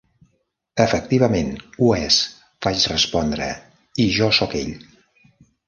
"Efectivament, ho és" vaig respondre "i jo soc ell".